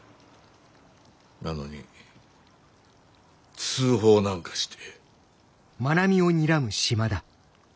なのに通報なんかして。